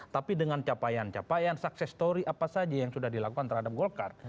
tapi dengan capaian capaian sukses story apa saja yang sudah dilakukan terhadap golkar